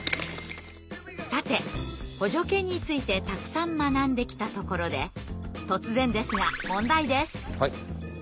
さて補助犬についてたくさん学んできたところで突然ですが問題です。